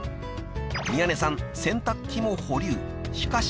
［宮根さん洗濯機も保留しかし］